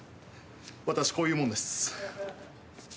私こういう者です。